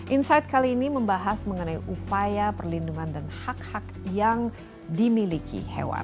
insight kali ini membahas mengenai upaya perlindungan dan hak hak yang dimiliki hewan